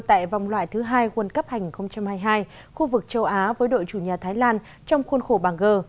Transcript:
tại vòng loại thứ hai quân cấp hành hai mươi hai khu vực châu á với đội chủ nhà thái lan trong khuôn khổ bằng g